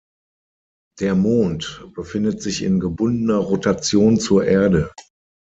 Der Mond befindet sich in gebundener Rotation zur Erde.